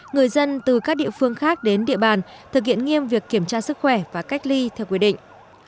người dân từ các địa phương khác đến địa bàn thực hiện nghiêm việc kiểm tra sức khỏe và cách ly theo quy định